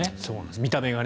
見た目がね。